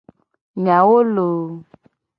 Nyawo loooo.